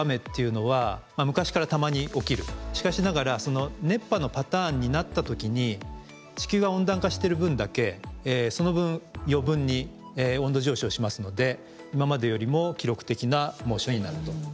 しかしながらその熱波のパターンになったときに地球が温暖化してる分だけその分余分に温度上昇しますので今までよりも記録的な猛暑になると。